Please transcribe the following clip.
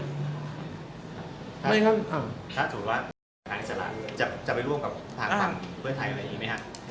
ถ้าถูกร้องข้างอิสระจะไปร่วมกับผ่านภัณฑ์เฟื้อไทยหรืออะไรอย่างงี้มั้ยฮะ